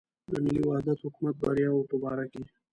د ملي وحدت حکومت بریاوو په باره کې.